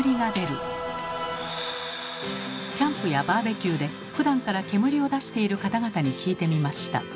キャンプやバーベキューでふだんから煙を出している方々に聞いてみました。